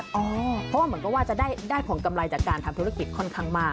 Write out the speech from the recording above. เพราะว่าเหมือนกับว่าจะได้ผลกำไรจากการทำธุรกิจค่อนข้างมาก